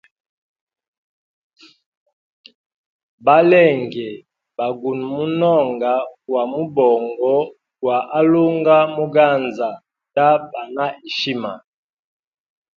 Balenge ba guno munonga gwa mubongo gwa alunga muganza nda ba na heshima.